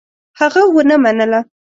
هغه ونه منله.